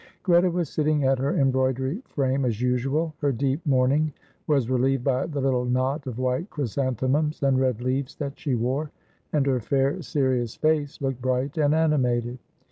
Greta was sitting at her embroidery frame as usual. Her deep mourning was relieved by the little knot of white chrysanthemums and red leaves that she wore, and her fair, serious face looked bright and animated.